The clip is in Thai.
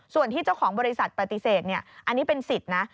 ส่วนที่เจ้าของบริษัทปฏิเสธอันนี้เป็นสิทธิ์นะ